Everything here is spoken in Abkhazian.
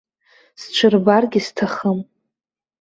Сҽырбаргьы сҭахым.